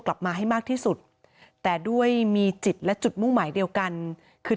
กลับมาให้มากที่สุดแต่ด้วยมีจิตและจุดมุ่งหมายเดียวกันคือ